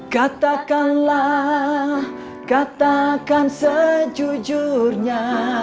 kata kanlah katakan sejujurnya